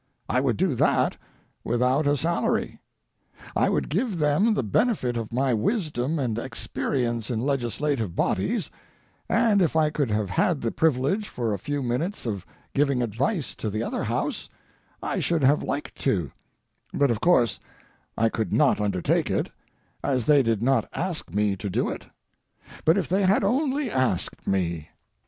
I would do that without a salary. I would give them the benefit of my wisdom and experience in legislative bodies, and if I could have had the privilege for a few minutes of giving advice to the other House I should have liked to, but of course I could not undertake it, as they did not ask me to do it—but if they had only asked me!